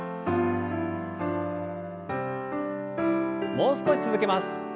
もう少し続けます。